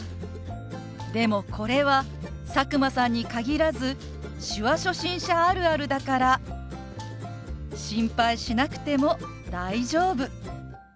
でもこれは佐久間さんに限らず手話初心者あるあるだから心配しなくても大丈夫。